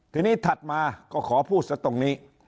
ทีนี้ถัดมาก็ขอพูดซะตรงนี้